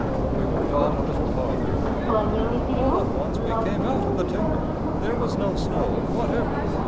We moved on a little farther. All at once we came out of the timber. There was no snow whatever!